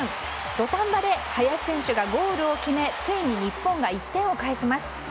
土壇場で林選手がゴールを決めついに日本が１点を返します。